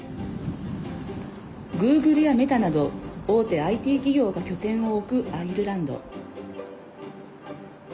グーグルやメタなど大手ＩＴ企業が拠点を置くアイルランド。